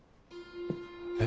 え？